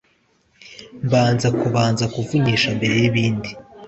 Mbanza kubanza kuvunyisha mbere yi bindi